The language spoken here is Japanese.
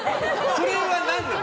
それは何なの？